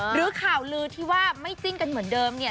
หรือข่าวลือที่ว่าไม่จิ้นกันเหมือนเดิมเนี่ย